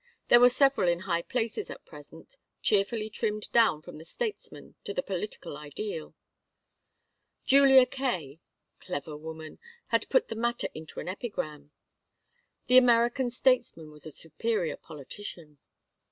There were several in high places at present, cheerfully trimmed down from the statesman to the political ideal. Julia Kaye clever woman! had put the matter into an epigram. The American statesman was the superior politician.